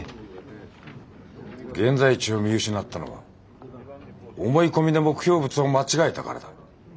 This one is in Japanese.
現在地を見失ったのは思い込みで目標物を間違えたからだ。